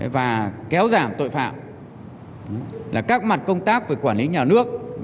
và kéo giảm tội phạm là các mặt công tác về quản lý nhà nước